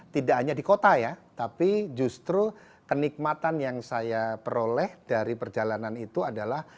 tidak hanya di kota ya tapi justru kenikmatan yang saya peroleh dari perjalanan itu adalah